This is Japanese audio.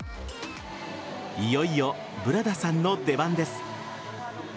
いよいよ、ブラダさんの出番です。